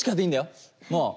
もう。